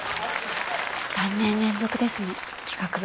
３年連続ですね企画部。